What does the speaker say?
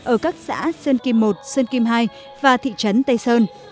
ở các xã sơn kim i sơn kim ii và thị trấn tây sơn